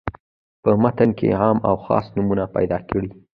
په متن کې عام او خاص نومونه پیداکړي.